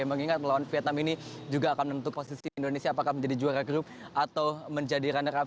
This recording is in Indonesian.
mengingat melawan vietnam ini juga akan menentu posisi indonesia apakah menjadi juara grup atau menjadi runner up